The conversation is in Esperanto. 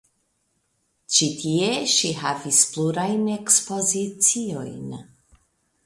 Ĉi tie ŝi havis plurajn ekspoziciojn.